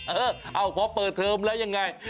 เออเอาเพราะเปิดเทิมแล้วยังไง